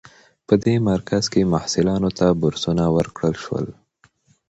په دې مرکز کې محصلانو ته بورسونه ورکړل شول.